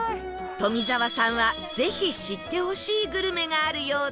富澤さんはぜひ知ってほしいグルメがあるようで